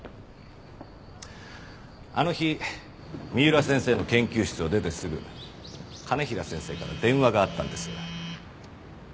あの日三浦先生の研究室を出てすぐ兼平先生から電話があったんです。